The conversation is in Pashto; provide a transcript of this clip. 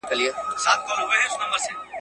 څېړونکی باید په خپل کار کې ډېر صابر وي.